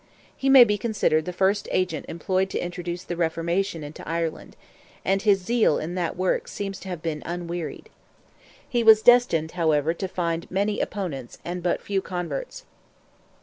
He may be considered the first agent employed to introduce the Reformation into Ireland, and his zeal in that work seems to have been unwearied. He was destined, however, to find many opponents, and but few converts.